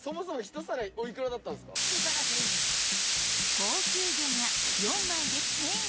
高級魚が４枚で１０００円